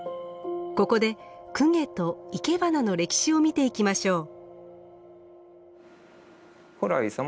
ここで供華といけばなの歴史を見ていきましょう。